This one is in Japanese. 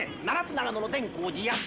長野の善光寺八つ